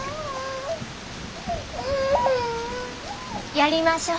やりましょう。